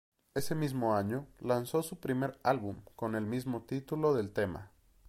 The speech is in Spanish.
Ese mismo año lanzó su primer álbum, con el mismo título del tema.